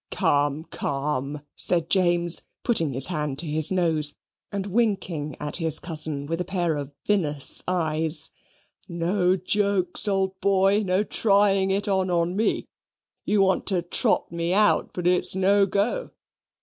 "Come, come," said James, putting his hand to his nose and winking at his cousin with a pair of vinous eyes, "no jokes, old boy; no trying it on on me. You want to trot me out, but it's no go.